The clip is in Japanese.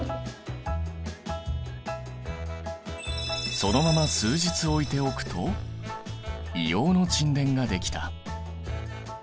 そのまま数日置いておくと硫黄の沈殿ができた。